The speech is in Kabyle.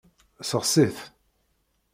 Sexsi-t.